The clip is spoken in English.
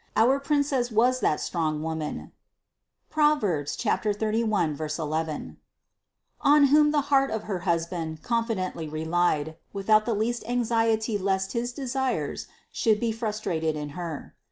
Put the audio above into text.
Our Princess was that strong woman (Prov. 31, 11) on whom the heart of her husband confidently relied, without the least anxiety lest his desires should be frustrated in Her.